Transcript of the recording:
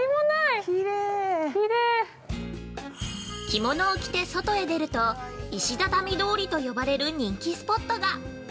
◆着物を着て外へ出ると石畳通りと呼ばれる人気スポットが！